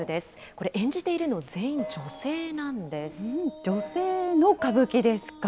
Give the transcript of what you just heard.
これ、演じているの、全員女性な女性の歌舞伎ですか。